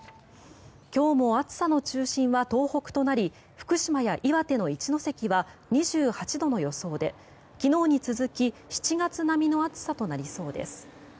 今日も暑さの中心は東北となり福島や岩手の一関は２８度の予想で、昨日に続き７月並みの暑さとなりそうです。